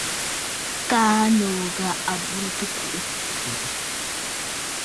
Kaa nòò ghà à burə tɨ̀ kùꞌù.